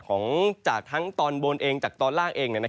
ของจากทั้งตอนบนเองจากตอนล่างเอง